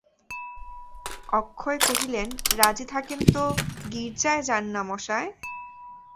অক্ষয় কহিলেন, রাজি থাকেন তো গির্জায় যান-না মশায়।